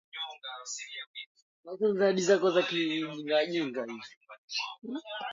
Ni wajumbe wote thelathini na mbili wa Baraza la Mapinduzi